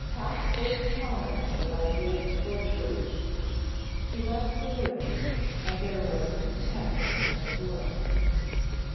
half those charms would I give for truth!' He left the room, and there was contempt in his look.